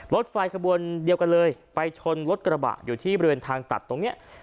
รถไฟขบวนเดียวกันเลยไปชนรถกระบะอยู่ที่บริเวณทางตัดตรงเนี้ย